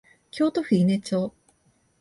京都府伊根町